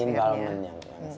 ini environment yang saya